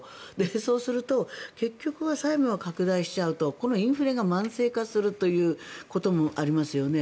そうすると結局は債務が拡大しちゃうとインフレが慢性化するということもありますよね。